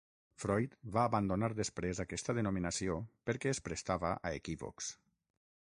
Freud va abandonar després aquesta denominació perquè es prestava a equívocs.